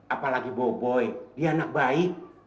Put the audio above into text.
apalagi boboi dia anak baik